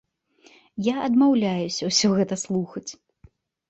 Я адмаўляюся гэта ўсё слухаць.